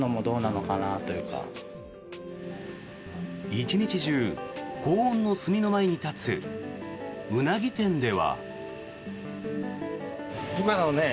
１日中、高温の炭の前に立つウナギ店では。